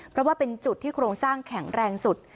เพราะว่าเป็นจุดที่โครงสร้างแข็งแรงสุด